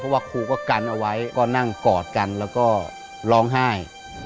ว่าครูก็กันเอาไว้ก็นั่งกอดกันแล้วก็ร้องไห้